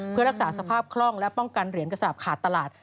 เพื่อรักษาสภาพคล่องและป้องกันเหรียญกระสาปขาดตลาด